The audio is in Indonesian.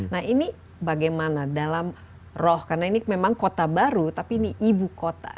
nah ini bagaimana dalam roh karena ini memang kota baru tapi ini ibu kota